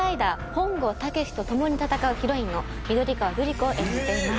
本郷猛と共に戦うヒロインの緑川ルリ子を演じています。